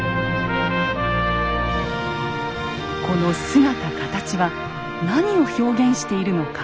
この姿形は何を表現しているのか。